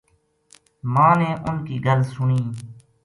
ماں نے اُنھ کی گل سنی